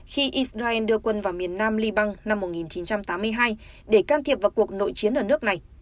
khi israel đưa quân vào miền nam liban năm một nghìn chín trăm tám mươi hai để can thiệp vào cuộc nội chiến ở nước này